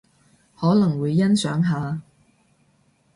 可能會欣賞下